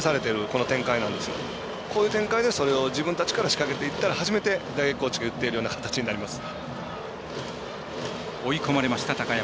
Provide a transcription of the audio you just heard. こういう展開で自分たちから仕掛けていったら初めて打撃コーチが言っているような形になります。